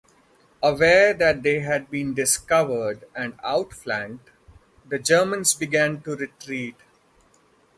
Aware that they had been discovered and outflanked, the Germans began to retreat.